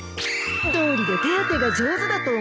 どうりで手当てが上手だと思ったよ。